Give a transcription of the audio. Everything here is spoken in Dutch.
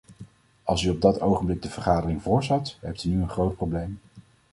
Als u op dat ogenblik de vergadering voorzat, hebt u nu een groot probleem.